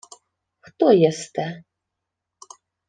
— Хто єсте?